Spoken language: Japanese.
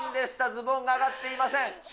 ズボンが上がっていません。